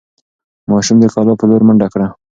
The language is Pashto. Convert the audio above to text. ماشوم د کلا په لور منډه کړه.